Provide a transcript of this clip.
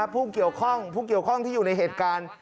ผู้เกี่ยวข้องที่อยู่ในเหตุการณ์